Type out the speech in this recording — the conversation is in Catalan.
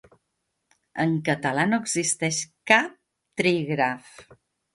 En català no existeix cap trígraf.